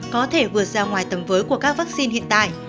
có thể vượt ra ngoài tầm với của các vaccine hiện tại